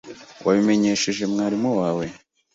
Wabimenyesheje mwarimu wawe?